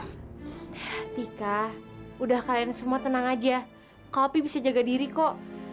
hati kak udah kalian semua tenang aja kak opi bisa jaga diri kok